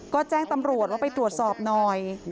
ก็แจ้งตำรวจว่าไปตรวจสอบหน่อย